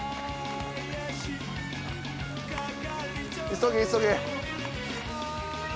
急げ急げ。